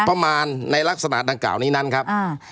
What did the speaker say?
ประมาณในลักษณะดังกล่าวนี้นั้นครับอ่า